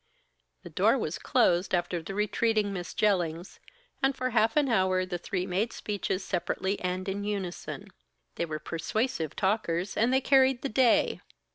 The door was closed after the retreating Miss Jellings, and for half an hour the three made speeches separately and in unison. They were persuasive talkers and they carried the day.